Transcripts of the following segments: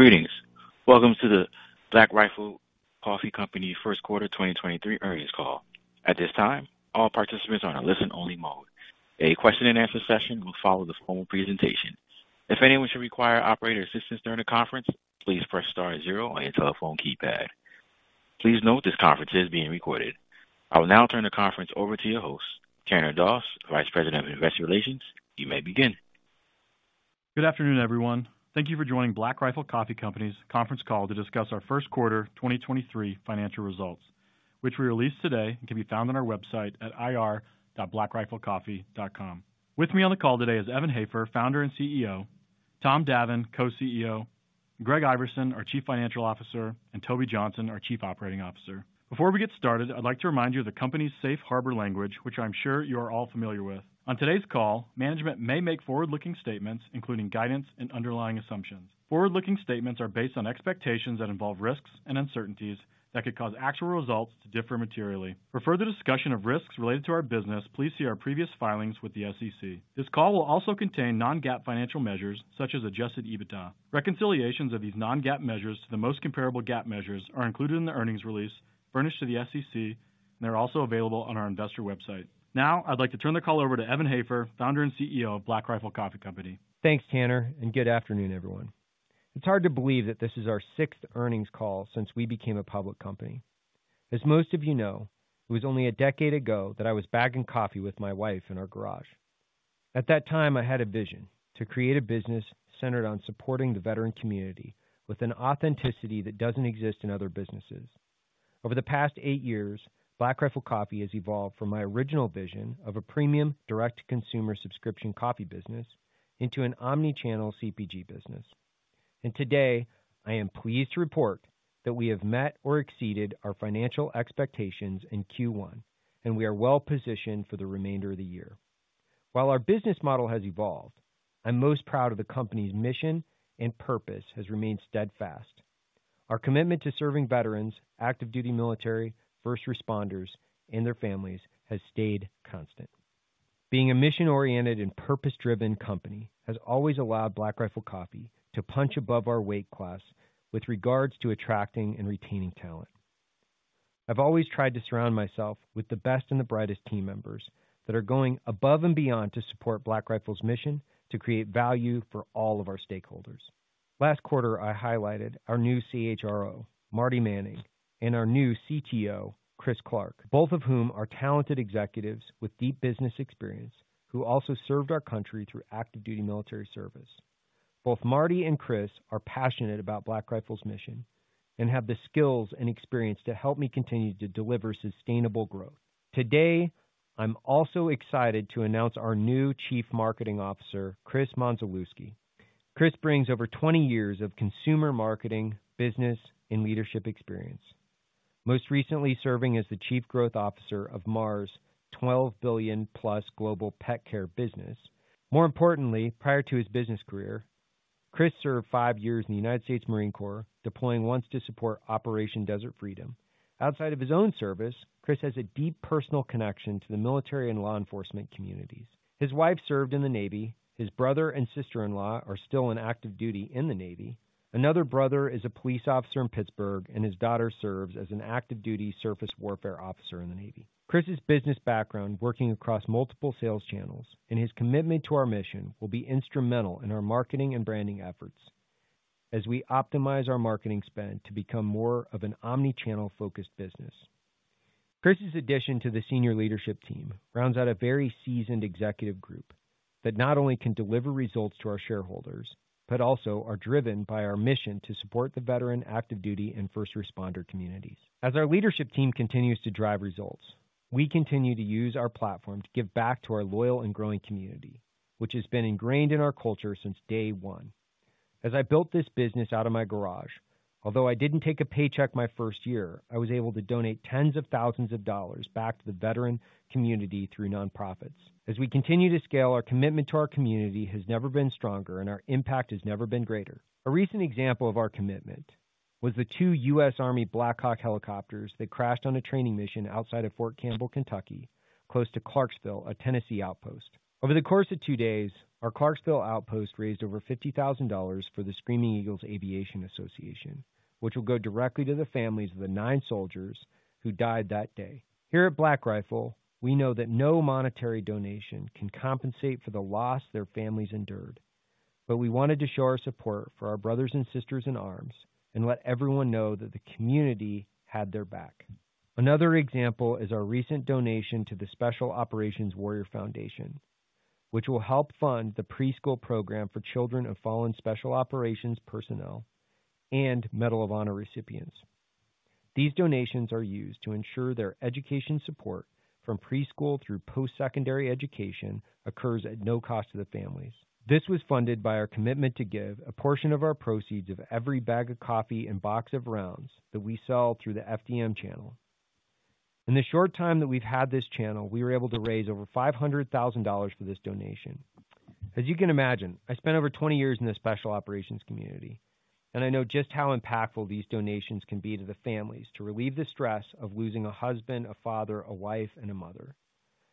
Greetings. Welcome to the Black Rifle Coffee Company first quarter 2023 earnings call. At this time, all participants are on a listen-only mode. A question-and-answer session will follow the formal presentation. If anyone should require operator assistance during the conference, please press star zero on your telephone keypad. Please note this conference is being recorded. I will now turn the conference over to your host, Tanner Doss, Vice President of Investor Relations. You may begin. Good afternoon, everyone. Thank you for joining Black Rifle Coffee Company's conference call to discuss our first quarter 2023 financial results, which we released today and can be found on our website at ir.blackriflecoffee.com. With me on the call today is Evan Hafer, Founder and CEO. Tom Davin, Co-CEO, Anne Thornton, our Chief Financial Officer, and Tom DeBruine, our Chief Operating Officer. Before we get started, I'd like to remind you of the company's safe harbor language, which I'm sure you are all familiar with. On today's call, management may make forward-looking statements, including guidance and underlying assumptions. Forward-looking statements are based on expectations that involve risks and uncertainties that could cause actual results to differ materially. For further discussion of risks related to our business, please see our previous filings with the SEC. This call will also contain non-GAAP financial measures such as adjusted EBITDA. Reconciliations of these non-GAAP measures to the most comparable GAAP measures are included in the earnings release furnished to the SEC. They're also available on our investor website. Now, I'd like to turn the call over to Evan Hafer, founder and CEO of Black Rifle Coffee Company. Thanks, Tanner. Good afternoon, everyone. It's hard to believe that this is our 6th earnings call since we became a public company. As most of you know, it was only a decade ago that I was bagging coffee with my wife in our garage. At that time, I had a vision to create a business centered on supporting the veteran community with an authenticity that doesn't exist in other businesses. Over the past eight years, Black Rifle Coffee has evolved from my original vision of a premium direct-to-consumer subscription coffee business into an omni-channel CPG business. Today, I am pleased to report that we have met or exceeded our financial expectations in Q1, and we are well positioned for the remainder of the year. While our business model has evolved, I'm most proud of the company's mission and purpose has remained steadfast. Our commitment to serving veterans, active duty military, first responders, and their families has stayed constant. Being a mission-oriented and purpose-driven company has always allowed Black Rifle Coffee to punch above our weight class with regards to attracting and retaining talent. I've always tried to surround myself with the best and the brightest team members that are going above and beyond to support Black Rifle's mission to create value for all of our stakeholders. Last quarter, I highlighted our new CHRO, Marty Manning, and our new CTO, Chris Clark, both of whom are talented executives with deep business experience, who also served our country through active duty military service. Both Marty and Chris are passionate about Black Rifle's mission and have the skills and experience to help me continue to deliver sustainable growth. Today, I'm also excited to announce our new Chief Marketing Officer, Chris Mondzelewski. Chris brings over 20 years of consumer marketing, business, and leadership experience. Most recently serving as the Chief Growth Officer of Mars' $12 billion-plus global pet care business. Prior to his business career, Chris served five years in the United States Marine Corps, deploying once to support Operation Iraqi Freedom. Outside of his own service, Chris has a deep personal connection to the military and law enforcement communities. His wife served in the Navy. His brother and sister-in-law are still on active duty in the Navy. Another brother is a police officer in Pittsburgh, and his daughter serves as an active duty surface warfare officer in the Navy. Chris's business background working across multiple sales channels and his commitment to our mission will be instrumental in our marketing and branding efforts as we optimize our marketing spend to become more of an omni-channel focused business. Chris's addition to the senior leadership team rounds out a very seasoned executive group that not only can deliver results to our shareholders, but also are driven by our mission to support the veteran active duty and first responder communities. As our leadership team continues to drive results, we continue to use our platform to give back to our loyal and growing community, which has been ingrained in our culture since day one. As I built this business out of my garage, although I didn't take a paycheck my first year, I was able to donate tens of thousands of dollars back to the veteran community through nonprofits. As we continue to scale, our commitment to our community has never been stronger, and our impact has never been greater. A recent example of our commitment was the two U.S. Army Black Hawk helicopters that crashed on a training mission outside of Fort Campbell, Kentucky, close to Clarksville, a Tennessee outpost. Over the course of two days, our Clarksville outpost raised over $50,000 for the Screaming Eagles Aviation Association, which will go directly to the families of the nine soldiers who died that day. Here at Black Rifle, we know that no monetary donation can compensate for the loss their families endured, but we wanted to show our support for our brothers and sisters in arms and let everyone know that the community had their back. Another example is our recent donation to the Special Operations Warrior Foundation, which will help fund the preschool program for children of fallen special operations personnel and Medal of Honor recipients. These donations are used to ensure their education support from preschool through post-secondary education occurs at no cost to the families. This was funded by our commitment to give a portion of our proceeds of every bag of coffee and box of rounds that we sell through the FDM channel. In the short time that we've had this channel, we were able to raise over $500,000 for this donation. As you can imagine, I spent over 20 years in the special operations community, and I know just how impactful these donations can be to the families to relieve the stress of losing a husband, a father, a wife, and a mother.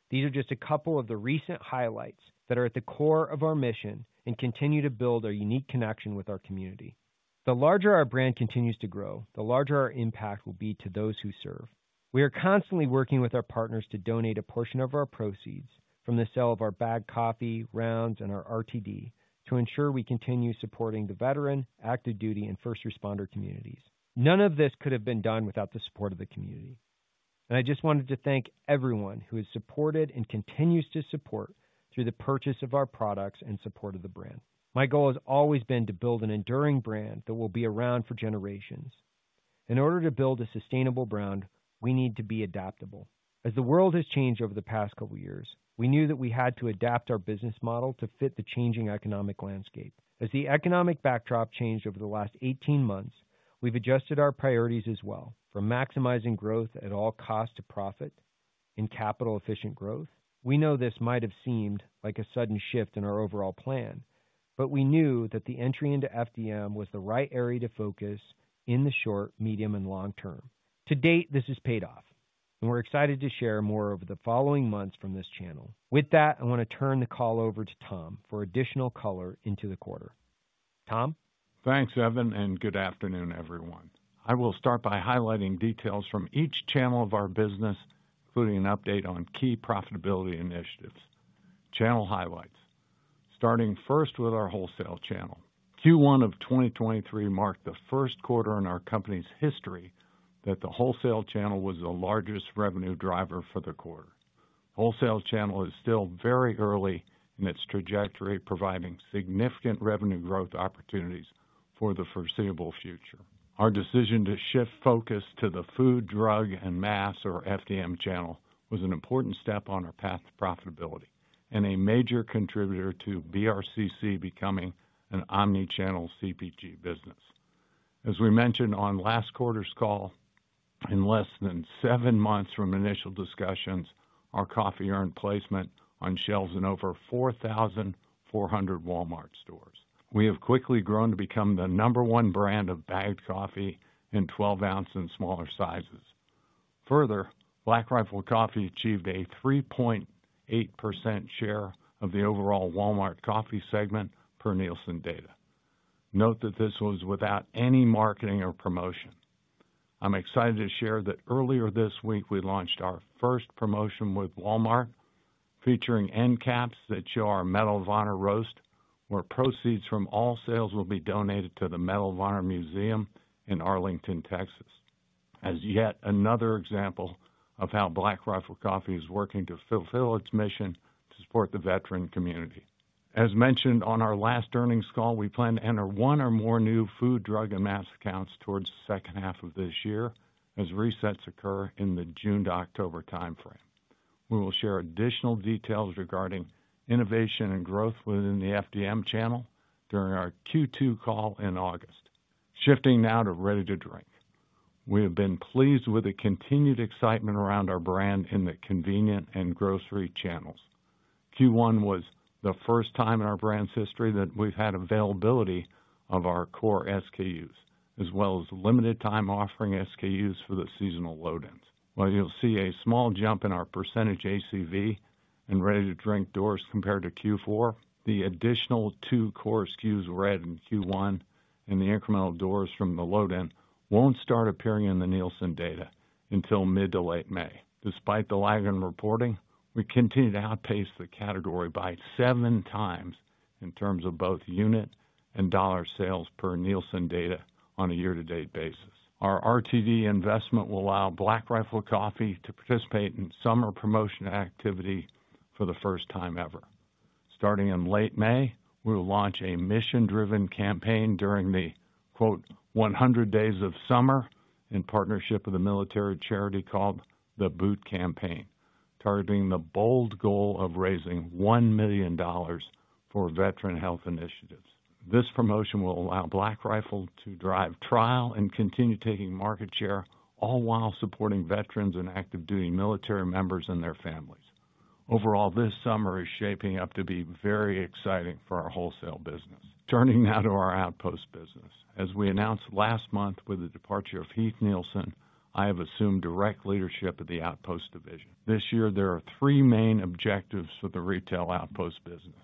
These are just a couple of the recent highlights that are at the core of our mission and continue to build our unique connection with our community. The larger our brand continues to grow, the larger our impact will be to those who serve. We are constantly working with our partners to donate a portion of our proceeds from the sale of our bagged coffee, rounds, and our RTD to ensure we continue supporting the veteran, active duty, and first responder communities. None of this could have been done without the support of the community. I just wanted to thank everyone who has supported and continues to support through the purchase of our products in support of the brand. My goal has always been to build an enduring brand that will be around for generations. In order to build a sustainable brand, we need to be adaptable. As the world has changed over the past couple years, we knew that we had to adapt our business model to fit the changing economic landscape. As the economic backdrop changed over the last 18 months, we've adjusted our priorities as well from maximizing growth at all costs to profit in capital-efficient growth. We know this might have seemed like a sudden shift in our overall plan, but we knew that the entry into FDM was the right area to focus in the short, medium, and long term. To date, this has paid off, and we're excited to share more over the following months from this channel. With that, I wanna turn the call over to Tom for additional color into the quarter. Tom? Thanks, Evan. Good afternoon, everyone. I will start by highlighting details from each channel of our business, including an update on key profitability initiatives. Channel highlights. Starting first with our wholesale channel. Q1 of 2023 marked the first quarter in our company's history that the wholesale channel was the largest revenue driver for the quarter. Wholesale channel is still very early in its trajectory, providing significant revenue growth opportunities for the foreseeable future. Our decision to shift focus to the food, drug, and mass or FDM channel was an important step on our path to profitability and a major contributor to BRCC becoming an omni-channel CPG business. As we mentioned on last quarter's call, in less than seven months from initial discussions, our coffee earned placement on shelves in over 4,400 Walmart stores. We have quickly grown to become the number one brand of bagged coffee in 12 ounce and smaller sizes. Black Rifle Coffee achieved a 3.8% share of the overall Walmart coffee segment per Nielsen data. Note that this was without any marketing or promotion. I'm excited to share that earlier this week, we launched our first promotion with Walmart featuring end caps that show our Medal of Honor Roast, where proceeds from all sales will be donated to the Medal of Honor Museum in Arlington, Texas, as yet another example of how Black Rifle Coffee is working to fulfill its mission to support the veteran community. Mentioned on our last earnings call, we plan to enter one or more new food, drug, and mass accounts towards the second half of this year as resets occur in the June to October timeframe. We will share additional details regarding innovation and growth within the FDM channel during our Q2 call in August. Shifting now to ready-to-drink. We have been pleased with the continued excitement around our brand in the convenient and grocery channels. Q1 was the first time in our brand's history that we've had availability of our core SKUs as well as limited-time offering SKUs for the seasonal load-ins. While you'll see a small jump in our percentage ACV in ready-to-drink doors compared to Q4, the additional two core SKUs we had in Q1 and the incremental doors from the load-in won't start appearing in the Nielsen data until mid to late May. Despite the lag in reporting, we continue to outpace the category by seven times in terms of both unit and dollar sales per Nielsen data on a year-to-date basis. Our RTD investment will allow Black Rifle Coffee to participate in summer promotion activity for the first time ever. Starting in late May, we will launch a mission-driven campaign during the Hundred Days of Summer in partnership with a military charity called The Boot Campaign, targeting the bold goal of raising $1 million for veteran health initiatives. This promotion will allow Black Rifle to drive trial and continue taking market share, all while supporting veterans and active duty military members and their families. This summer is shaping up to be very exciting for our wholesale business. Turning now to our outpost business. As we announced last month with the departure of Heath Nielsen, I have assumed direct leadership of the outpost division. This year there are three main objectives for the retail outpost business.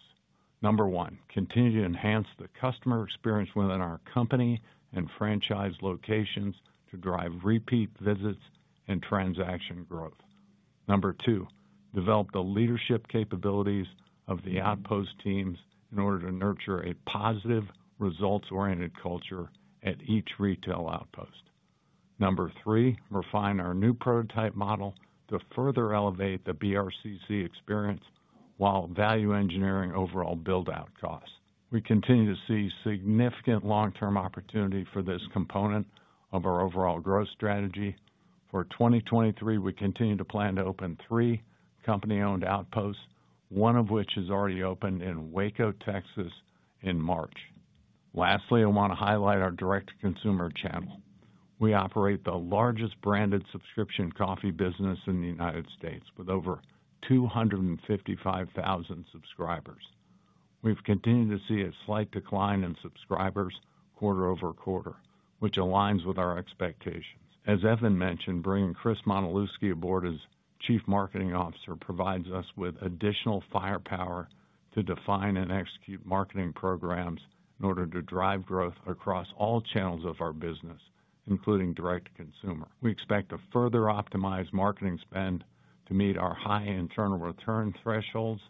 Number one, continue to enhance the customer experience within our company and franchise locations to drive repeat visits and transaction growth. Number two, develop the leadership capabilities of the outpost teams in order to nurture a positive results-oriented culture at each retail outpost. Number three, refine our new prototype model to further elevate the BRCC experience while value engineering overall build-out costs. We continue to see significant long-term opportunity for this component of our overall growth strategy. For 2023, we continue to plan to open three company-owned outposts, one of which is already opened in Waco, Texas in March. Lastly, I wanna highlight our direct-to-consumer channel. We operate the largest branded subscription coffee business in the United States with over 255,000 subscribers. We've continued to see a slight decline in subscribers quarter-over-quarter, which aligns with our expectations. As Evan mentioned, bringing Chris Mondzelewski aboard as Chief Marketing Officer provides us with additional firepower to define and execute marketing programs in order to drive growth across all channels of our business, including direct-to-consumer. We expect to further optimize marketing spend to meet our high internal return thresholds.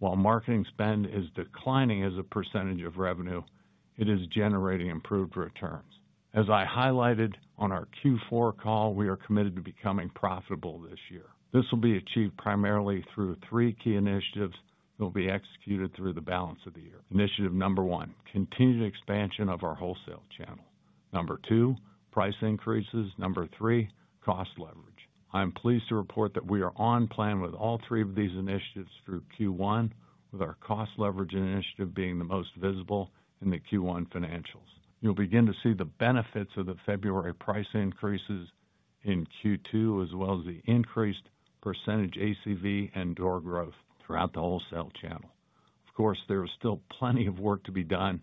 While marketing spend is declining as a % of revenue, it is generating improved returns. As I highlighted on our Q4 call, we are committed to becoming profitable this year. This will be achieved primarily through three key initiatives that will be executed through the balance of the year. Initiative number one, continued expansion of our wholesale channel. Number two, price increases. Number three, cost leverage. I'm pleased to report that we are on plan with all three of these initiatives through Q1, with our cost leverage initiative being the most visible in the Q1 financials. You'll begin to see the benefits of the February price increases in Q2, as well as the increased % ACV and door growth throughout the wholesale channel. Of course, there is still plenty of work to be done,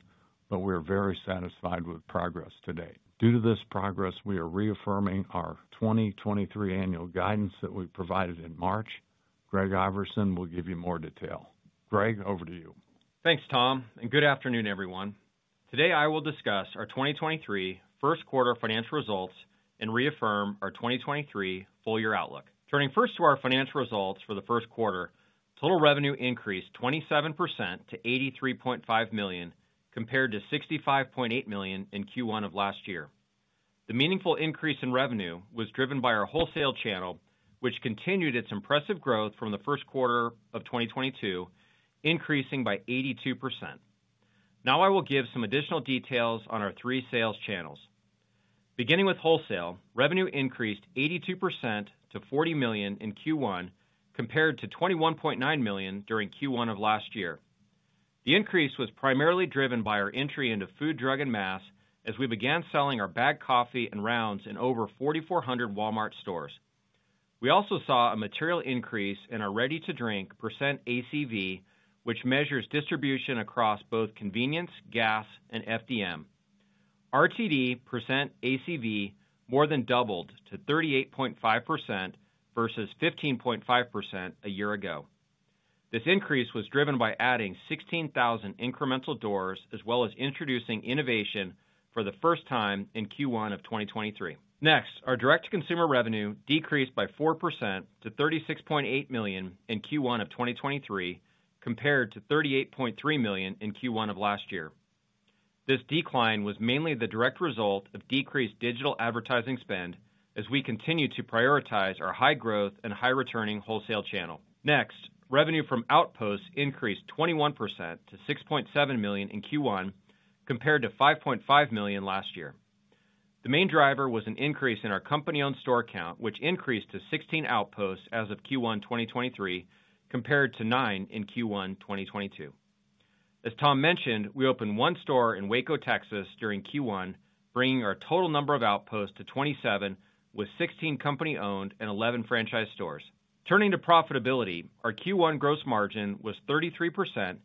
but we're very satisfied with progress to date. Due to this progress, we are reaffirming our 2023 annual guidance that we provided in March. Greg Iverson will give you more detail. Greg, over to you. Thanks, Tom. Good afternoon, everyone. Today, I will discuss our 2023 first quarter financial results and reaffirm our 2023 full year outlook. Turning first to our financial results for the first quarter, total revenue increased 27% to $83.5 million, compared to $65.8 million in Q1 of last year. The meaningful increase in revenue was driven by our wholesale channel, which continued its impressive growth from the first quarter of 2022, increasing by 82%. I will give some additional details on our three sales channels. Beginning with wholesale, revenue increased 82% to $40 million in Q1, compared to $21.9 million during Q1 of last year. The increase was primarily driven by our entry into food, drug, and mass as we began selling our bagged coffee and rounds in over 4,400 Walmart stores. We also saw a material increase in our ready-to-drink percent ACV, which measures distribution across both convenience, gas, and FDM. RTD percent ACV more than doubled to 38.5% versus 15.5% a year ago. This increase was driven by adding 16,000 incremental doors, as well as introducing innovation for the first time in Q1 of 2023. Our direct-to-consumer revenue decreased by 4% to $36.8 million in Q1 of 2023, compared to $38.3 million in Q1 of last year. This decline was mainly the direct result of decreased digital advertising spend as we continue to prioritize our high growth and high returning wholesale channel. Revenue from Outposts increased 21% to $6.7 million in Q1 compared to $5.5 million last year. The main driver was an increase in our company-owned store count, which increased to 16 Outposts as of Q1 2023, compared to nine in Q1 2022. As Tom mentioned, we opened one store in Waco, Texas during Q1, bringing our total number of Outposts to 27, with 16 company-owned and 11 franchise stores. Turning to profitability, our Q1 gross margin was 33%,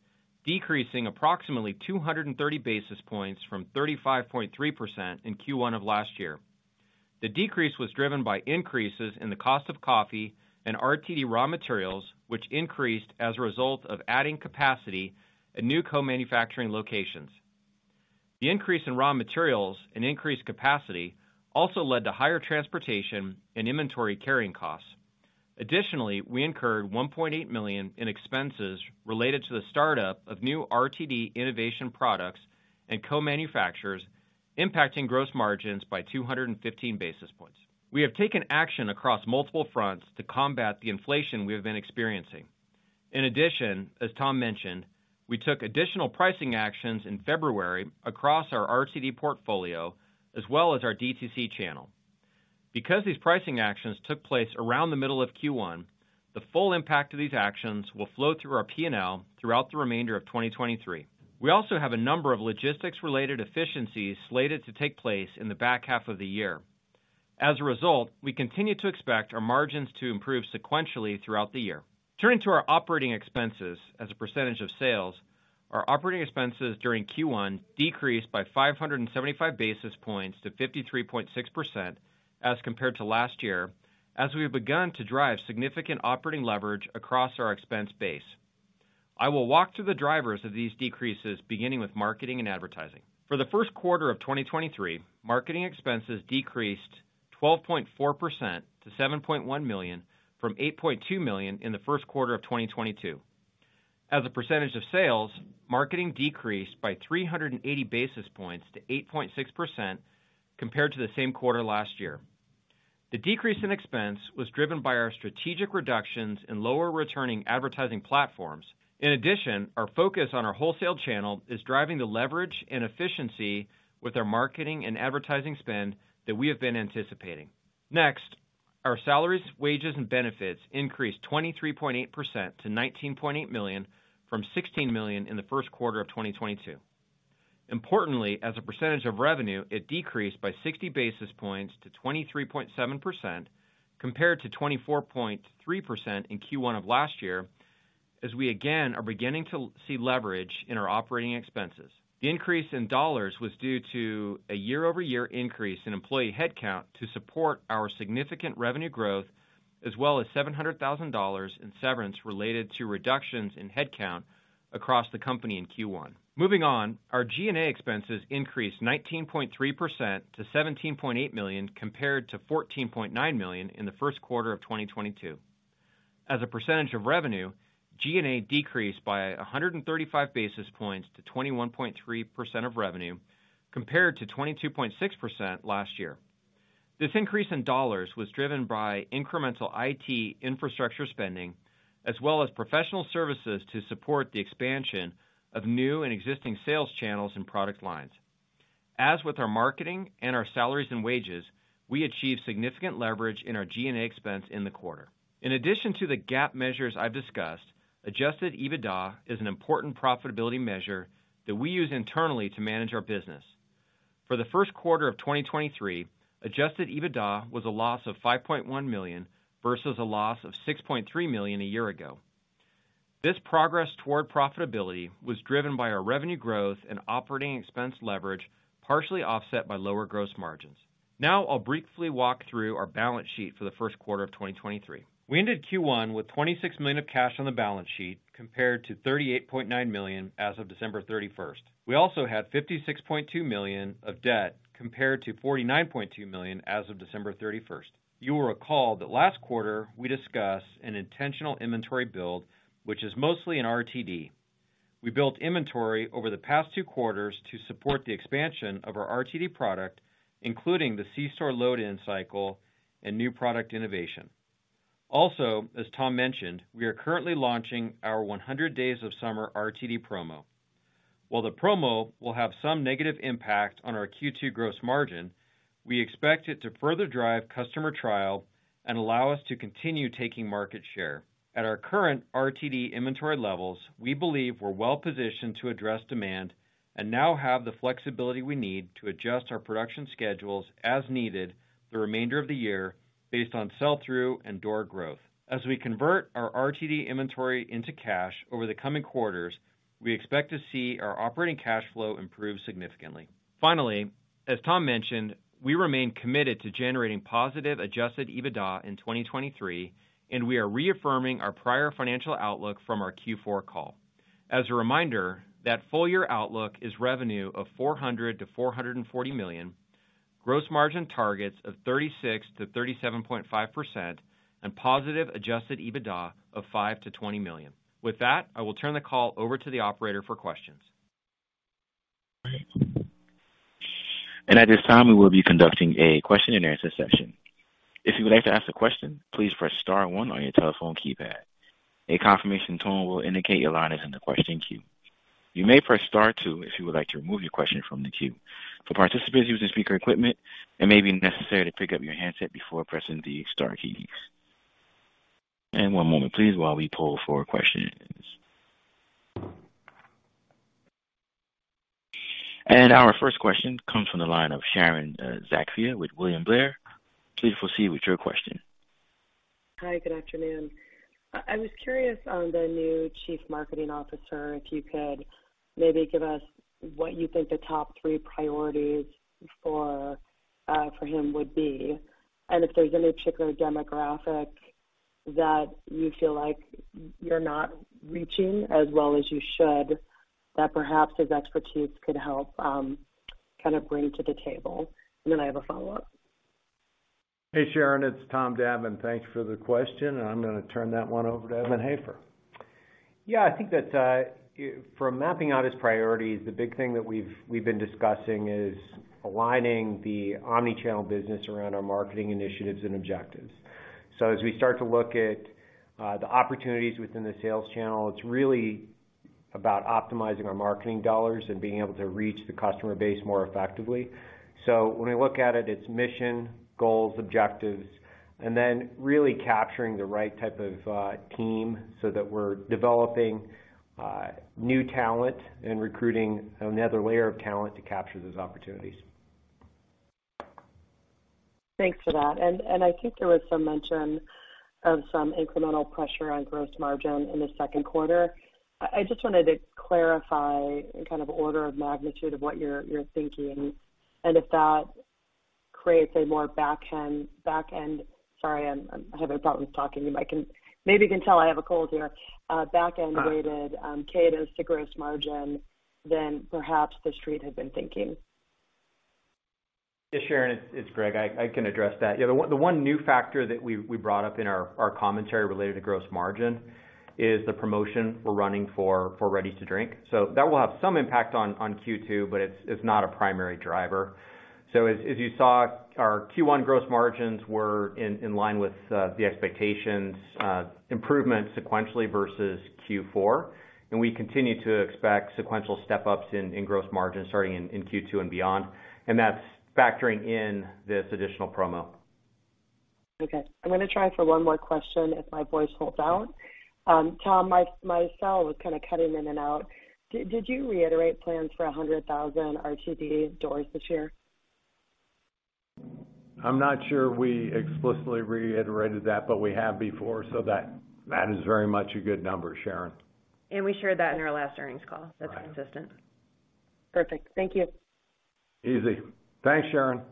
decreasing approximately 230 basis points from 35.3% in Q1 of last year. The decrease was driven by increases in the cost of coffee and RTD raw materials, which increased as a result of adding capacity at new co-manufacturing locations. The increase in raw materials and increased capacity also led to higher transportation and inventory carrying costs. Additionally, we incurred $1.8 million in expenses related to the startup of new RTD innovation products and co-manufacturers, impacting gross margins by 215 basis points. We have taken action across multiple fronts to combat the inflation we have been experiencing. As Tom mentioned, we took additional pricing actions in February across our RTD portfolio, as well as our DTC channel. These pricing actions took place around the middle of Q1, the full impact of these actions will flow through our P&L throughout the remainder of 2023. We also have a number of logistics-related efficiencies slated to take place in the back half of the year. We continue to expect our margins to improve sequentially throughout the year. Turning to our operating expenses as a percentage of sales, our operating expenses during Q1 decreased by 575 basis points to 53.6% as compared to last year, as we have begun to drive significant operating leverage across our expense base. I will walk through the drivers of these decreases, beginning with marketing and advertising. For the first quarter of 2023, marketing expenses decreased 12.4% to $7.1 million from $8.2 million in the first quarter of 2022. As a percentage of sales, marketing decreased by 380 basis points to 8.6% compared to the same quarter last year. The decrease in expense was driven by our strategic reductions in lower returning advertising platforms. In addition, our focus on our wholesale channel is driving the leverage and efficiency with our marketing and advertising spend that we have been anticipating. Next, our salaries, wages, and benefits increased 23.8% to $19.8 million from $16 million in the first quarter of 2022. Importantly, as a percentage of revenue, it decreased by 60 basis points to 23.7% compared to 24.3% in Q1 of last year, as we again are beginning to see leverage in our operating expenses. The increase in dollars was due to a year-over-year increase in employee headcount to support our significant revenue growth, as well as $700,000 in severance related to reductions in headcount across the company in Q1. Moving on. Our G&A expenses increased 19.3% to $17.8 million compared to $14.9 million in the first quarter of 2022. As a percentage of revenue, G&A decreased by 135 basis points to 21.3% of revenue compared to 22.6% last year. This increase in dollars was driven by incremental IT infrastructure spending as well as professional services to support the expansion of new and existing sales channels and product lines. As with our marketing and our salaries and wages, we achieved significant leverage in our G&A expense in the quarter. In addition to the GAAP measures I've discussed, adjusted EBITDA is an important profitability measure that we use internally to manage our business. For the first quarter of 2023, adjusted EBITDA was a loss of $5.1 million versus a loss of $6.3 million a year ago. This progress toward profitability was driven by our revenue growth and operating expense leverage, partially offset by lower gross margins. I'll briefly walk through our balance sheet for the first quarter of 2023. We ended Q1 with $26 million of cash on the balance sheet compared to $38.9 million as of December 31st. We also had $56.2 million of debt compared to $49.2 million as of December 31st. You will recall that last quarter we discussed an intentional inventory build, which is mostly in RTD. We built inventory over the past two quarters to support the expansion of our RTD product, including the C-store load in cycle and new product innovation. As Tom mentioned, we are currently launching our Hundred Days of Summer RTD promo. While the promo will have some negative impact on our Q2 gross margin, we expect it to further drive customer trial and allow us to continue taking market share. At our current RTD inventory levels, we believe we're well-positioned to address demand and now have the flexibility we need to adjust our production schedules as needed the remainder of the year based on sell-through and door growth. As we convert our RTD inventory into cash over the coming quarters, we expect to see our operating cash flow improve significantly. As Tom mentioned, we remain committed to generating positive adjusted EBITDA in 2023, and we are reaffirming our prior financial outlook from our Q4 call. As a reminder, that full year outlook is revenue of $400 million-$440 million, gross margin targets of 36%-37.5%, and positive adjusted EBITDA of $5 million-$20 million. With that, I will turn the call over to the operator for questions. At this time, we will be conducting a question and answer session. If you would like to ask a question, please press star one on your telephone keypad. A confirmation tone will indicate your line is in the question queue. You may press star two if you would like to remove your question from the queue. For participants using speaker equipment, it may be necessary to pick up your handset before pressing the star keys. One moment please while we poll for questions. Our first question comes from the line of Sharon Zackfia with William Blair. Please proceed with your question. Hi. Good afternoon. I was curious on the new Chief Marketing Officer, if you could maybe give us what you think the top three priorities for him would be, and if there's any particular demographic that you feel like you're not reaching as well as you should, that perhaps his expertise could help kind of bring to the table. I have a follow-up. Hey, Sharon, it's Tom Davin. Thanks for the question. I'm gonna turn that one over to Evan Hafer. Yeah. I think that for mapping out his priorities, the big thing that we've been discussing is aligning the omni-channel business around our marketing initiatives and objectives. As we start to look at the opportunities within the sales channel, it's really about optimizing our marketing dollars and being able to reach the customer base more effectively. When we look at it's mission, goals, objectives, and then really capturing the right type of team so that we're developing new talent and recruiting another layer of talent to capture those opportunities. Thanks for that. I think there was some mention of some incremental pressure on gross margin in the second quarter. I just wanted to clarify in kind of order of magnitude of what you're thinking, if that creates a more back end. Sorry, I'm having problems talking. Maybe you can tell I have a cold here. Back end- Uh. -weighted cadence to gross margin than perhaps the street had been thinking. Sharon, it's Greg. I can address that. The one new factor that we brought up in our commentary related to gross margin is the promotion we're running for ready to drink. That will have some impact on Q2, but it's not a primary driver. As you saw, our Q1 gross margins were in line with the expectations, improvement sequentially versus Q4, and we continue to expect sequential step-ups in gross margins starting in Q2 and beyond. That's factoring in this additional promo. Okay. I'm gonna try for one more question if my voice holds out. Tom, my cell was kind of cutting in and out. Did you reiterate plans for 100,000 RTD doors this year? I'm not sure we explicitly reiterated that, but we have before, so that is very much a good number, Sharon. We shared that in our last earnings call. Right. That's consistent. Perfect. Thank you. Easy. Thanks, Sharon.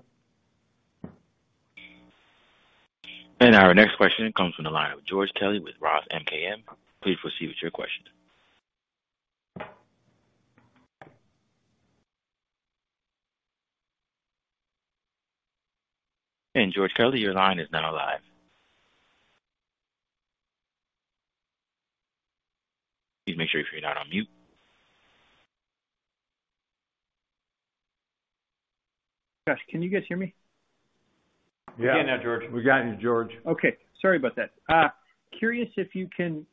Our next question comes from the line of George Kelly with ROTH MKM. Please proceed with your question. George Kelly, your line is now live. Please make sure you're not on mute. Yes. Can you guys hear me? Yeah. We can now, George. We got you, George. Okay. Sorry about that. curious if you can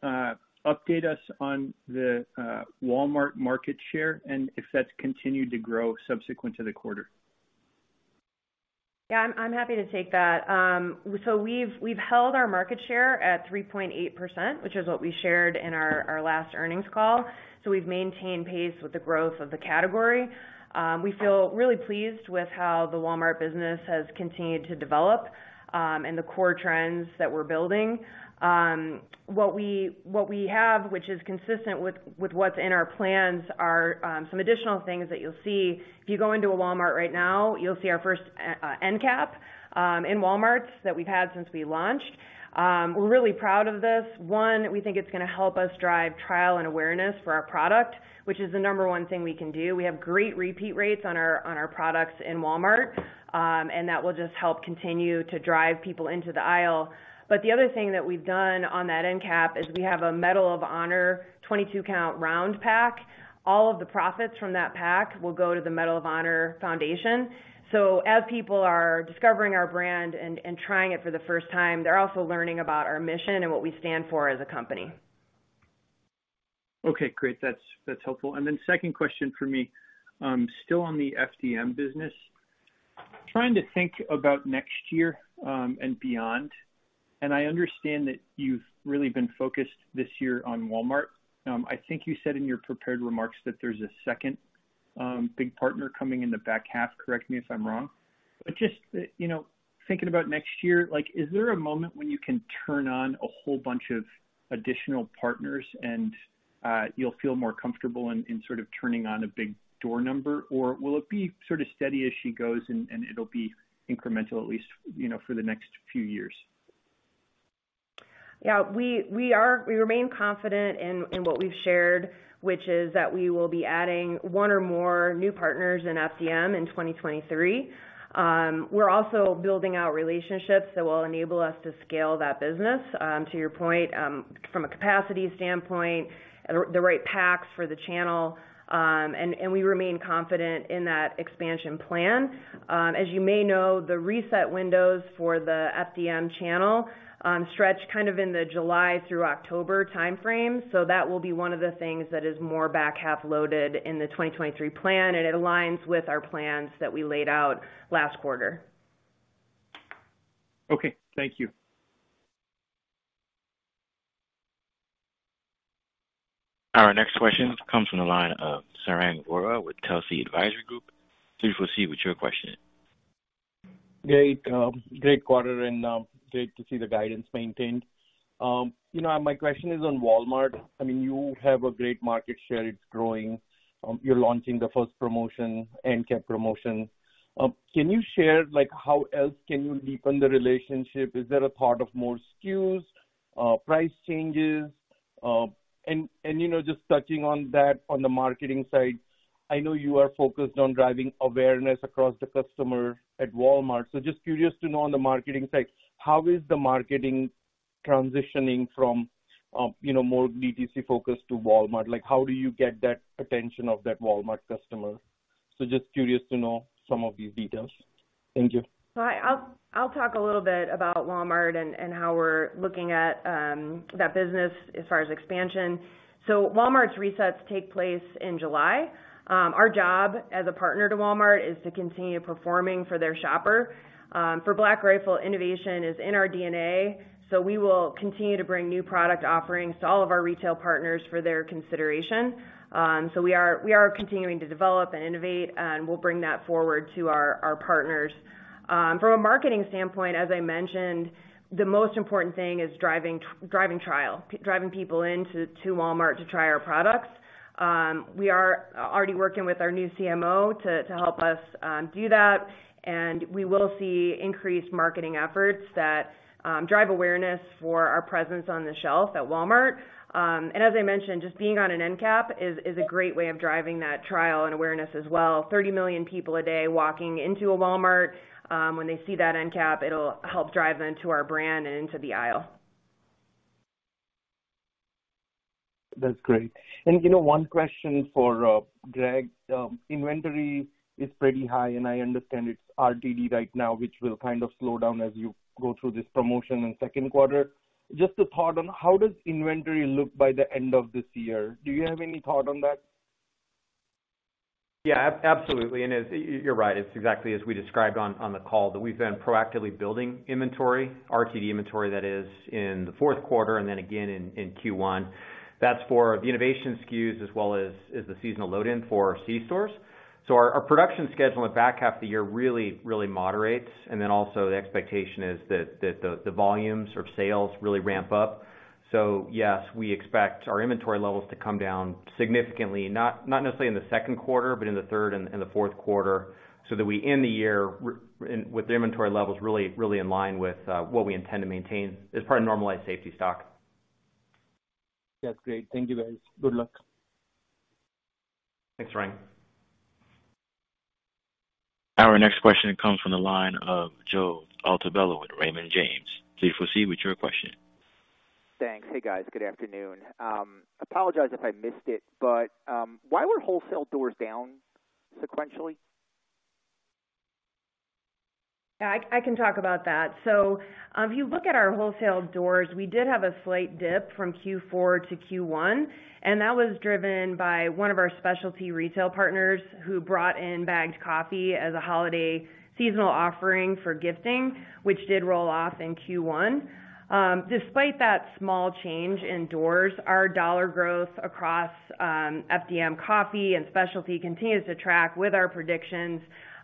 update us on the Walmart market share and if that's continued to grow subsequent to the quarter? I'm happy to take that. We've held our market share at 3.8%, which is what we shared in our last earnings call. We've maintained pace with the growth of the category. We feel really pleased with how the Walmart business has continued to develop, and the core trends that we're building. What we, what we have, which is consistent with what's in our plans are, some additional things that you'll see. If you go into a Walmart right now, you'll see our first end cap in Walmarts that we've had since we launched. We're really proud of this. One, we think it's gonna help us drive trial and awareness for our product, which is the number one thing we can do. We have great repeat rates on our products in Walmart, and that will just help continue to drive people into the aisle. The other thing that we've done on that end cap is we have a Medal of Honor 22 count round pack. All of the profits from that pack will go to the Medal of Honor Foundation. As people are discovering our brand and trying it for the first time, they're also learning about our mission and what we stand for as a company. Okay, great. That's helpful. Second question for me, still on the FDM business. Trying to think about next year and beyond, I understand that you've really been focused this year on Walmart. I think you said in your prepared remarks that there's a second big partner coming in the back half. Correct me if I'm wrong. Just, you know, thinking about next year, like, is there a moment when you can turn on a whole bunch of additional partners and you'll feel more comfortable in sort of turning on a big door number? Or will it be sort of steady as she goes and it'll be incremental, at least, you know, for the next few years? We remain confident in what we've shared, which is that we will be adding one or more new partners in FDM in 2023. We're also building out relationships that will enable us to scale that business, to your point, from a capacity standpoint, the right packs for the channel, and we remain confident in that expansion plan. As you may know, the reset windows for the FDM channel stretch kind of in the July through October timeframe. That will be one of the things that is more back half loaded in the 2023 plan. It aligns with our plans that we laid out last quarter. Okay. Thank you. Our next question comes from the line of Sarang Vora with Telsey Advisory Group. Please proceed with your question. Great. Great quarter and great to see the guidance maintained. You know, my question is on Walmart. I mean, you have a great market share. It's growing. You're launching the first promotion, end cap promotion. Can you share, like, how else can you deepen the relationship? Is that a part of more SKUs, price changes? You know, just touching on that, on the marketing side, I know you are focused on driving awareness across the customer at Walmart. Just curious to know on the marketing side, how is the marketing transitioning from, you know, more DTC focus to Walmart? Like, how do you get that attention of that Walmart customer? Just curious to know some of these details. Thank you. I'll talk a little bit about Walmart and how we're looking at that business as far as expansion. Walmart's resets take place in July. Our job as a partner to Walmart is to continue performing for their shopper. For Black Rifle, innovation is in our DNA, so we will continue to bring new product offerings to all of our retail partners for their consideration. We are continuing to develop and innovate, and we'll bring that forward to our partners. From a marketing standpoint, as I mentioned, the most important thing is driving trial, driving people into Walmart to try our products. We are already working with our new CMO to help us do that, we will see increased marketing efforts that drive awareness for our presence on the shelf at Walmart. As I mentioned, just being on an end cap is a great way of driving that trial and awareness as well. 30 million people a day walking into a Walmart, when they see that end cap, it'll help drive them to our brand and into the aisle. That's great. You know, one question for Greg. Inventory is pretty high, and I understand it's RTD right now, which will kind of slow down as you go through this promotion in second quarter. Just a thought on how does inventory look by the end of this year? Do you have any thought on that? Yeah, absolutely. You're right. It's exactly as we described on the call, that we've been proactively building inventory, RTD inventory that is in the fourth quarter and then again in Q1. That's for the innovation SKUs as well as the seasonal load in for C-stores. Our production schedule at the back half of the year really moderates. Also the expectation is that the volumes or sales really ramp up. Yes, we expect our inventory levels to come down significantly, not necessarily in the second quarter, but in the third and the fourth quarter, so that we end the year with the inventory levels really in line with what we intend to maintain as part of normalized safety stock. That's great. Thank you, guys. Good luck. Thanks, Rang. Our next question comes from the line of Joseph Altobello with Raymond James. Please proceed with your question. Thanks. Hey, guys. Good afternoon. Apologize if I missed it, but why were wholesale doors down sequentially? I can talk about that. If you look at our wholesale doors, we did have a slight dip from Q4 to Q1, and that was driven by one of our specialty retail partners who brought in bagged coffee as a holiday seasonal offering for gifting, which did roll off in Q1. Despite that small change in doors, our dollar growth across FDM coffee and specialty continues to track with our predictions,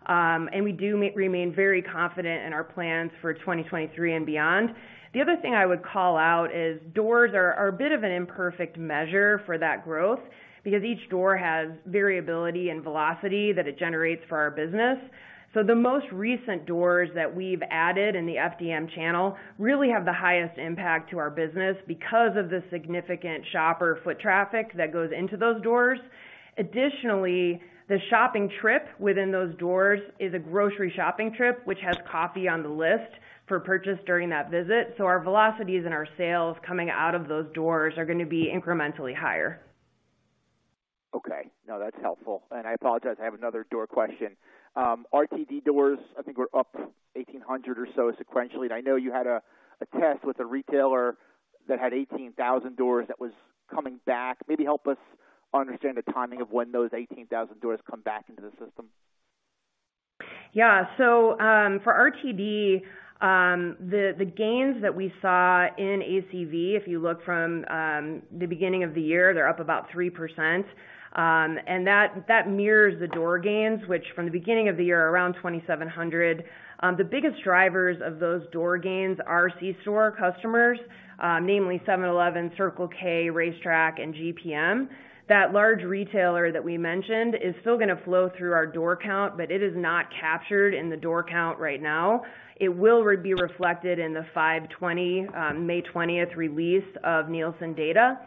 and we do remain very confident in our plans for 2023 and beyond. The other thing I would call out is doors are a bit of an imperfect measure for that growth because each door has variability and velocity that it generates for our business. The most recent doors that we've added in the FDM channel really have the highest impact to our business because of the significant shopper foot traffic that goes into those doors. Additionally, the shopping trip within those doors is a grocery shopping trip, which has coffee on the list for purchase during that visit. Our velocities and our sales coming out of those doors are gonna be incrementally higher. Okay. No, that's helpful. I apologize, I have another door question. RTD doors, I think we're up 1,800 or so sequentially. I know you had a test with a retailer that had 18,000 doors that was coming back. Maybe help us understand the timing of when those 18,000 doors come back into the system. Yeah. For RTD, the gains that we saw in ACV, if you look from the beginning of the year, they're up about 3%. That mirrors the door gains, which from the beginning of the year, around 2,700. The biggest drivers of those door gains are C-store customers, namely 7-Eleven, Circle K, RaceTrac, and GPM. That large retailer that we mentioned is still gonna flow through our door count, but it is not captured in the door count right now. It will re-be reflected in the 5/20, May 20th release of Nielsen data.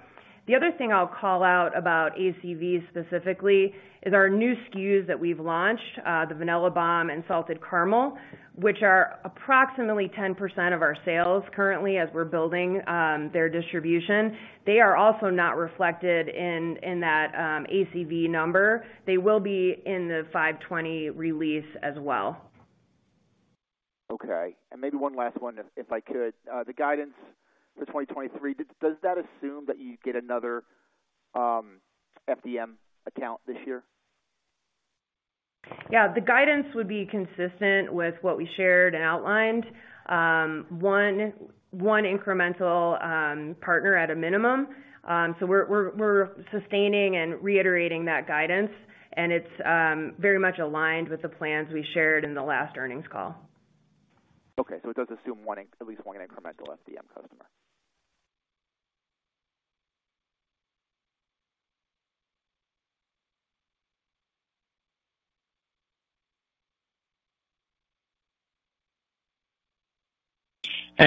The other thing I'll call out about ACV specifically is our new SKUs that we've launched, the Vanilla Bomb and Salted Caramel, which are approximately 10% of our sales currently as we're building their distribution. They are also not reflected in that ACV number. They will be in the 5/20 release as well. Okay. Maybe one last one if I could. The guidance for 2023, does that assume that you get another FDM account this year? Yeah. The guidance would be consistent with what we shared and outlined. One incremental partner at a minimum. We're sustaining and reiterating that guidance, and it's very much aligned with the plans we shared in the last earnings call. Okay. It does assume at least one incremental FDM customer.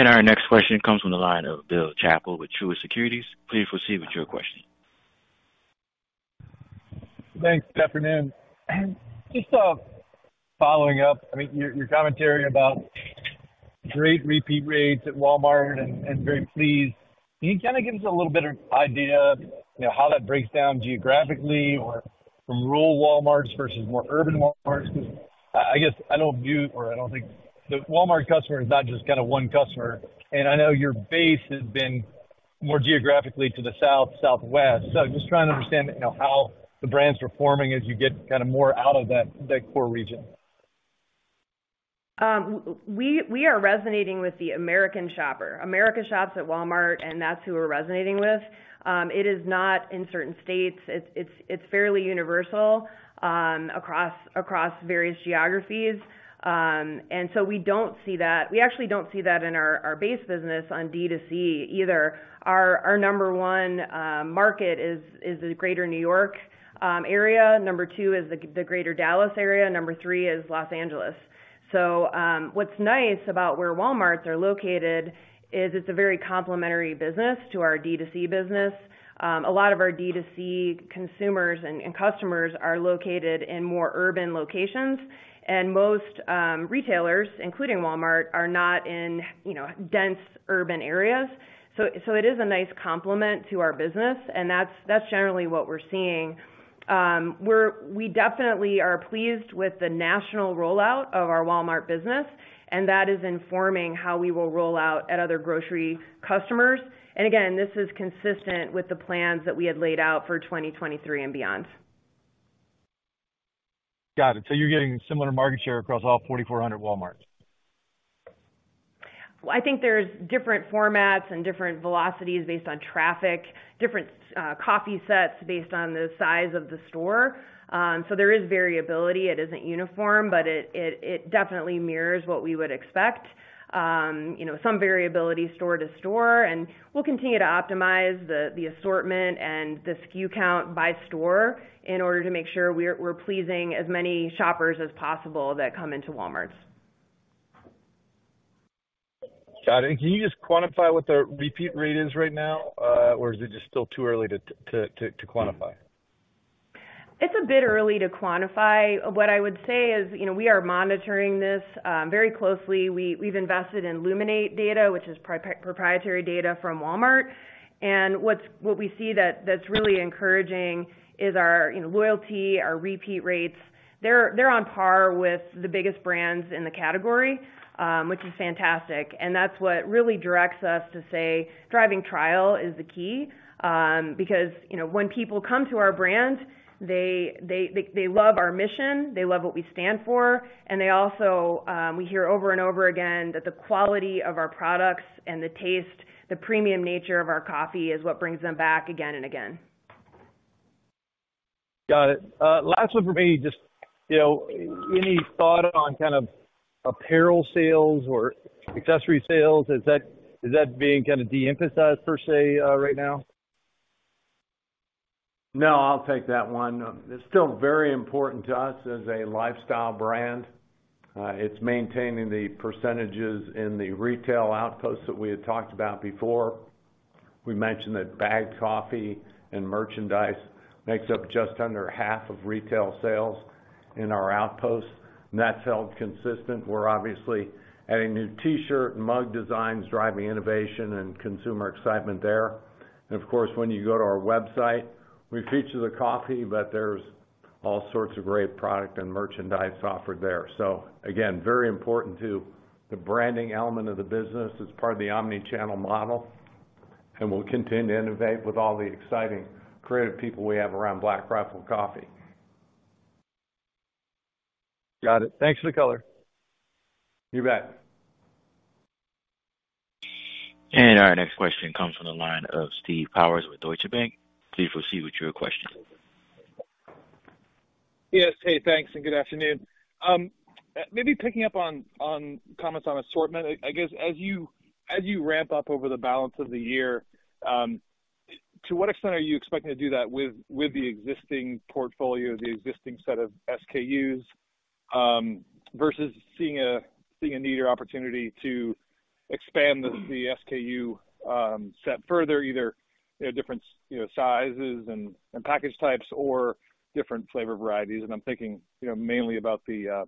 Our next question comes from the line of Bill Chappell with Truist Securities. Please proceed with your question. Thanks. Good afternoon. Following up, I mean, your commentary about great repeat rates at Walmart and very pleased. Can you kind of give us a little bit of idea, you know, how that breaks down geographically or from rural Walmarts versus more urban Walmarts? I guess, I don't view or I don't think the Walmart customer is not just kinda one customer, and I know your base has been more geographically to the South, Southwest. Just trying to understand, you know, how the brand's performing as you get kinda more out of that core region. We are resonating with the American shopper. America shops at Walmart, and that's who we're resonating with. It is not in certain states. It's fairly universal across various geographies. We don't see that. We actually don't see that in our base business on D2C either. Our number one market is the Greater New York area. Number two is the Greater Dallas area. Number three is Los Angeles. What's nice about where Walmarts are located is it's a very complementary business to our D2C business. A lot of our D2C consumers and customers are located in more urban locations, and most retailers, including Walmart, are not in, you know, dense urban areas. It is a nice complement to our business, and that's generally what we're seeing. We definitely are pleased with the national rollout of our Walmart business, and that is informing how we will roll out at other grocery customers. Again, this is consistent with the plans that we had laid out for 2023 and beyond. Got it. you're getting similar market share across all 4,400 Walmarts? Well, I think there's different formats and different velocities based on traffic, different coffee sets based on the size of the store. There is variability. It isn't uniform, but it definitely mirrors what we would expect. You know, some variability store to store, and we'll continue to optimize the assortment and the SKU count by store in order to make sure we're pleasing as many shoppers as possible that come into Walmarts. Got it. Can you just quantify what the repeat rate is right now? Or is it just still too early to quantify? It's a bit early to quantify. What I would say is, you know, we are monitoring this very closely. We've invested in Luminate data, which is proprietary data from Walmart. What we see that's really encouraging is our, you know, loyalty, our repeat rates, they're on par with the biggest brands in the category, which is fantastic. That's what really directs us to say driving trial is the key, because, you know, when people come to our brand, they love our mission, they love what we stand for, and they also, we hear over and over again that the quality of our products and the taste, the premium nature of our coffee is what brings them back again and again. Got it. Last one for me. Just, you know, any thought on kind of apparel sales or accessory sales? Is that being kind of de-emphasized per se, right now? No, I'll take that one. It's still very important to us as a lifestyle brand. It's maintaining the percentages in the retail outposts that we had talked about before. We mentioned that bagged coffee and merchandise makes up just under half of retail sales in our outposts, and that's held consistent. We're obviously adding new T-shirt and mug designs, driving innovation and consumer excitement there. When you go to our website, we feature the coffee, but there's all sorts of great product and merchandise offered there. Very important to the branding element of the business. It's part of the omni-channel model, and we'll continue to innovate with all the exciting creative people we have around Black Rifle Coffee. Got it. Thanks for the color. You bet. Our next question comes from the line of Steve Powers with Deutsche Bank. Please proceed with your question. Yes. Hey, thanks, and good afternoon. Maybe picking up on comments on assortment. I guess as you ramp up over the balance of the year, to what extent are you expecting to do that with the existing portfolio, the existing set of SKUs, versus seeing a need or opportunity to expand the SKU set further, either, you know, different, you know, sizes and package types or different flavor varieties? I'm thinking, you know, mainly about the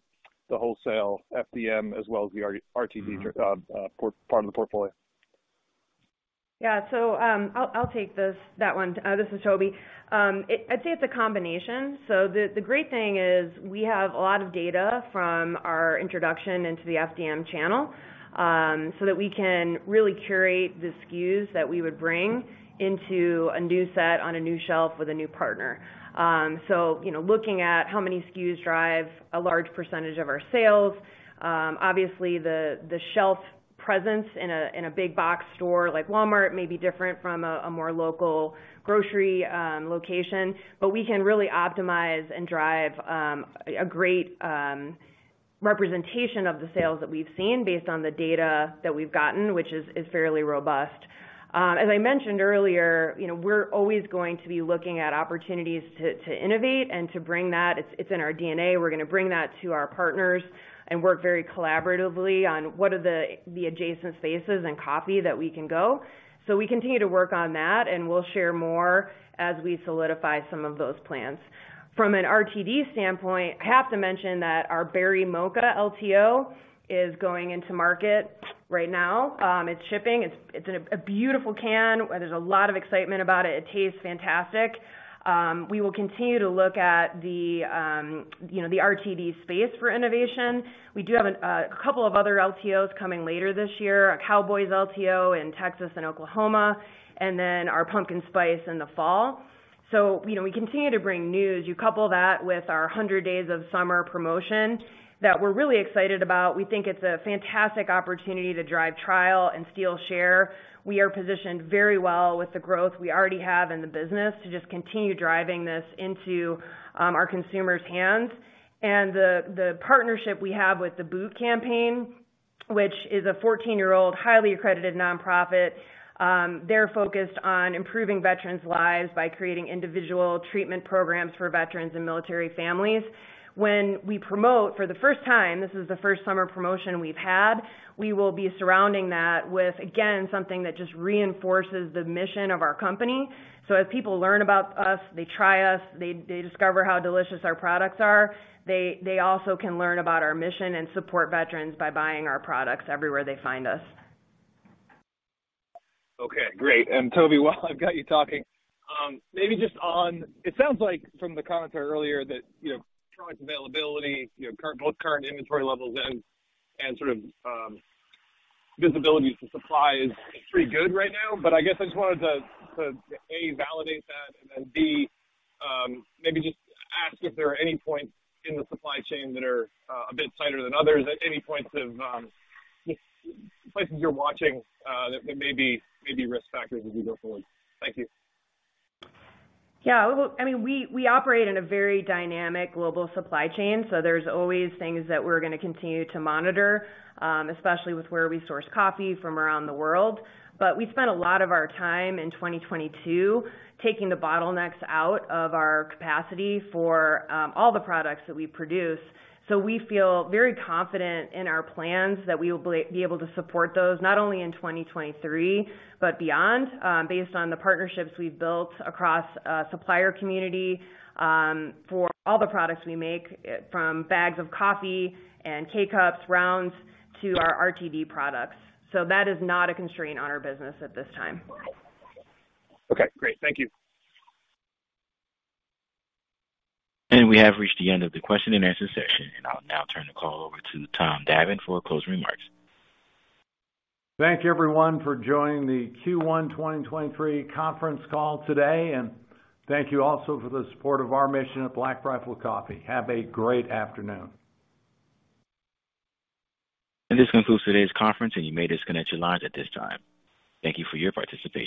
wholesale FDM as well as the RTD part of the portfolio. Yeah. I'll take this, that one. This is Toby. I'd say it's a combination. The great thing is we have a lot of data from our introduction into the FDM channel, so that we can really curate the SKUs that we would bring into a new set on a new shelf with a new partner. You know, looking at how many SKUs drive a large % of our sales, obviously the shelf presence in a big box store like Walmart may be different from a more local grocery location, but we can really optimize and drive a great representation of the sales that we've seen based on the data that we've gotten, which is fairly robust. As I mentioned earlier, you know, we're always going to be looking at opportunities to innovate and to bring that. It's in our DNA. We're gonna bring that to our partners and work very collaboratively on what are the adjacent spaces in coffee that we can go. We continue to work on that, and we'll share more as we solidify some of those plans. From an RTD standpoint, I have to mention that our Berry Mocha LTO is going into market right now. It's shipping. It's a beautiful can. There's a lot of excitement about it. It tastes fantastic. We will continue to look at the, you know, the RTD space for innovation. We do have a couple of other LTOs coming later this year, a Cowboys LTO in Texas and Oklahoma, our Pumpkin Spice in the fall. You know, we continue to bring news. You couple that with our Hundred Days of Summer promotion that we're really excited about. We think it's a fantastic opportunity to drive trial and steal share. We are positioned very well with the growth we already have in the business to just continue driving this into our consumers' hands. The partnership we have with the Boot Campaign, which is a 14-year-old highly accredited nonprofit, they're focused on improving veterans' lives by creating individual treatment programs for veterans and military families. When we promote for the first time, this is the first summer promotion we've had. We will be surrounding that with, again, something that just reinforces the mission of our company. As people learn about us, they try us, they discover how delicious our products are, they also can learn about our mission and support veterans by buying our products everywhere they find us. Okay, great. Toby, while I've got you talking, maybe just on... It sounds like from the commentary earlier that, you know, product availability, you know, both current inventory levels and sort of visibility to supply is pretty good right now. I guess I just wanted to, A, validate that, and then, B, maybe just ask if there are any points in the supply chain that are a bit tighter than others. Any points of just places you're watching that may be risk factors as you go forward. Thank you. Yeah. Well, I mean, we operate in a very dynamic global supply chain, there's always things that we're gonna continue to monitor, especially with where we source coffee from around the world. We spent a lot of our time in 2022 taking the bottlenecks out of our capacity for all the products that we produce. We feel very confident in our plans that we will be able to support those, not only in 2023 but beyond, based on the partnerships we've built across a supplier community, for all the products we make, from bags of coffee and K-Cups, rounds, to our RTD products. That is not a constraint on our business at this time. Okay, great. Thank you. We have reached the end of the question and answer session. I'll now turn the call over to Tom Davin for closing remarks. Thank you everyone for joining the Q1 2023 conference call today, and thank you also for the support of our mission at Black Rifle Coffee. Have a great afternoon. This concludes today's conference, and you may disconnect your lines at this time. Thank you for your participation.